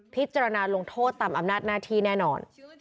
พิจารณาลงโทษตามอำนาจหน้าที่แน่นอน